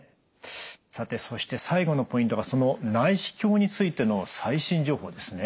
さてそして最後のポイントがその内視鏡についての最新情報ですね。